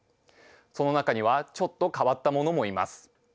その中にはちょっと変わったものもいます。